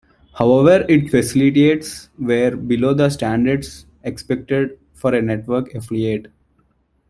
However, its facilities were below the standards expected for a network affiliate.